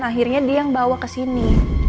akhirnya dia yang bawa kesini